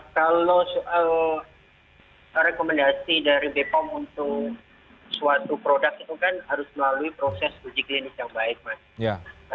kalau soal rekomendasi dari bepom untuk suatu produk itu kan harus melalui proses uji klinis yang baik mas